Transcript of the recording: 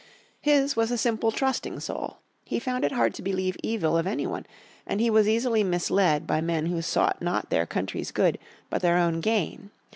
His was a simple trusting soul. He found it hard to believe evil of any one, and he was easily misled by men who sought not their country's good, but their own gain.